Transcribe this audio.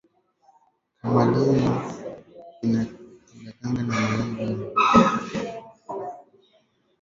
Kamaleon inaikalaka na ma rangi ya mingi